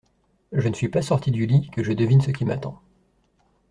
Je ne suis pas sorti du lit que je devine ce qui m’attend.